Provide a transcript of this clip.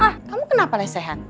ah kamu kenapa lezehan